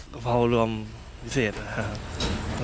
กะเพรารวมพิเศษนะครับ